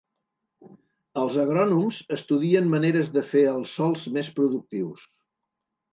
Els agrònoms estudien maneres de fer els sòls més productius.